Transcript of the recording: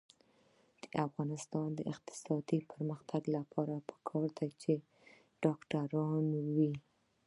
د افغانستان د اقتصادي پرمختګ لپاره پکار ده چې ډاکټران وي.